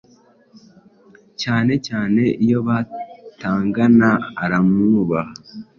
cyanecyane iyo batangana aramwubaha